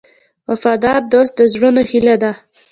وفادار دوست د زړونو هیله ده.